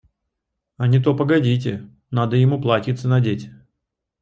А не то погодите; надо ему платьице надеть.